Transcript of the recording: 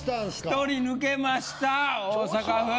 １人抜けました大阪府。